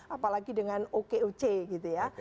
apalagi dengan okoc gitu ya